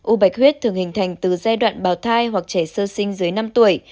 u bạch huyết thường hình thành từ giai đoạn bào thai hoặc trẻ sơ sinh dưới năm tuổi